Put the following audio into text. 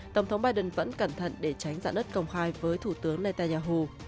tổng thống biden vẫn cẩn thận để tránh giãn đất công khai với thủ tướng netanyahu